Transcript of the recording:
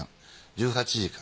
１８時間。